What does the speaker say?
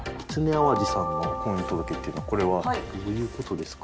淡路さんの婚姻届っていうのはこれはどういう事ですか？